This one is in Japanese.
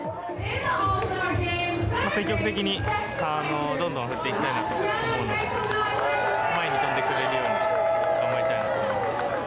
積極的にどんどん振っていきたいなと思うので、前に飛んでくれるように頑張りたいなと思いま